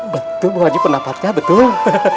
betul bu ngaji pendapatnya betul